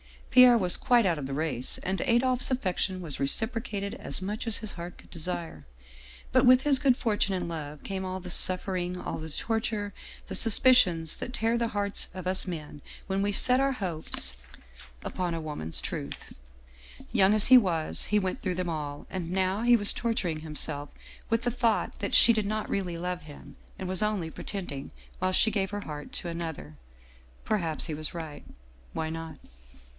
Pierre was quite out of the race and Adolphe's affection was reciprocated as much as his heart could desire. But with his good fortune in love came all the suffering, all the torture, the suspicions that tear the hearts of us men when we set our hopes upon a 268 Otto Larssen woman's truth. Young as he was he went through them all, and now he was torturing himself with the thought that she did not really love him and was only pretending, while she gave her heart to another. Perhaps he was right why not?